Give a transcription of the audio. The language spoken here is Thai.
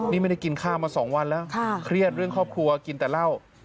นี่ไม่ได้กินข้าวมา๒วันแล้วเครียดเรื่องครอบครัวกินแต่เหล้า